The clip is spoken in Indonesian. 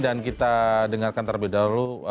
dan kita dengarkan terlebih dahulu